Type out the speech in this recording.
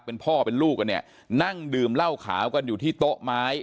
เป็นพ่อเป็นลูกกันเนี่ยนั่งดื่มเหล้าขาวกันอยู่ที่โต๊ะไม้